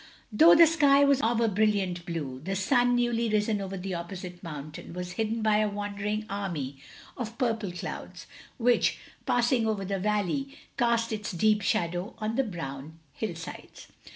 Though the sky was of a brillant blue, the sun, newly risen over the opposite mountain, was hidden by a wandering army of purple clouds; which, passing over the valley, cast its deep shadow on the brown hillsides.